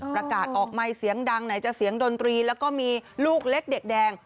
ประกาศออกไมค์เสียงดังไหนจะเสียงดนตรีแล้วก็มีลูกเล็กเด็กแดง